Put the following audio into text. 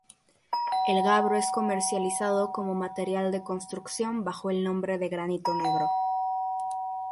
El gabro es comercializado como material de construcción bajo el nombre de "granito negro".